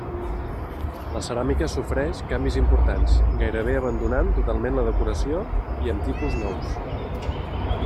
La ceràmica sofreix canvis importants, gairebé abandonant totalment la decoració i amb tipus nous.